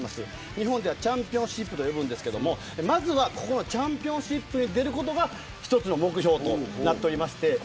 日本ではチャンピオンシップと呼ぶんですけどこのチャンピオンシップに出ることが一つの目標です。